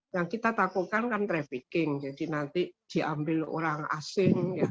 yang kita takutkan kan trafficking jadi nanti diambil orang asing